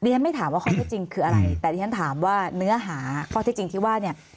ฉันไม่ถามว่าข้อเท็จจริงคืออะไรแต่ที่ฉันถามว่าเนื้อหาข้อที่จริงที่ว่าเนี่ย